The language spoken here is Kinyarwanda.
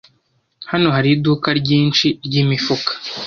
Hano hari iduka ryinshi ryimifuka